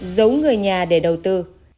giấu người nhà để đầu tư